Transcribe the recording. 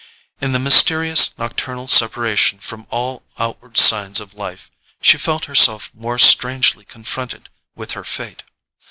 In the mysterious nocturnal separation from all outward signs of life, she felt herself more strangely confronted with her fate.